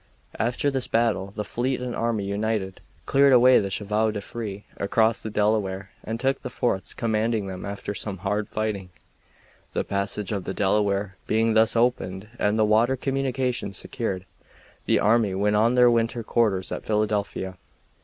After this battle the fleet and army united, cleared away the chevaux de frise across the Delaware, and took the forts commanding them after some hard fighting. The passage of the Delaware being thus opened and the water communication secured, the army went to their winter quarters at Philadelphia.